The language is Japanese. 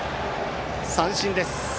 三振です。